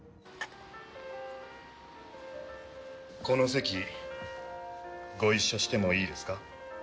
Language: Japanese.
この席ご一緒してもいいですか？